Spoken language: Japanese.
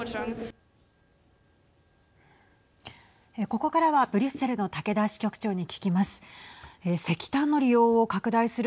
ここからはブリュッセルの竹田支局長に聞きます。